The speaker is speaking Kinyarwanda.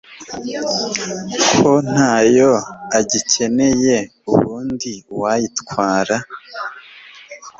ko ntayo agikeneye ubundi uwayitwara